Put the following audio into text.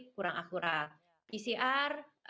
kurang akurat pcr